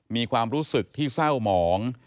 มีความรู้สึกที่เศร้าหมอง